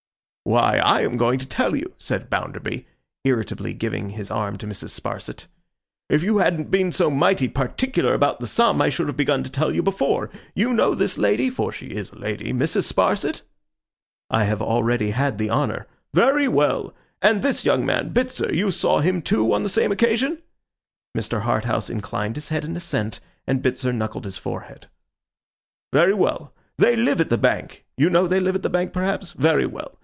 'Why, I am going to tell you,' said Bounderby, irritably giving his arm to Mrs. Sparsit. 'If you hadn't been so mighty particular about the sum, I should have begun to tell you before. You know this lady (for she is a lady), Mrs. Sparsit?' 'I have already had the honour—' 'Very well. And this young man, Bitzer, you saw him too on the same occasion?' Mr. Harthouse inclined his head in assent, and Bitzer knuckled his forehead. 'Very well. They live at the Bank. You know they live at the Bank, perhaps? Very well.